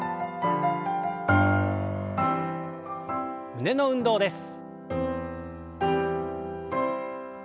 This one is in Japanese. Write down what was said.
胸の運動です。